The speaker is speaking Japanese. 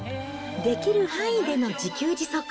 できる範囲での自給自足。